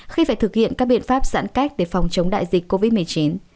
khi phải thực hiện các biện pháp giãn cách để phòng chống đại dịch covid một mươi chín